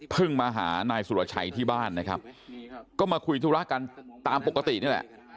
มาหานายสุรชัยที่บ้านนะครับก็มาคุยธุระกันตามปกตินี่แหละ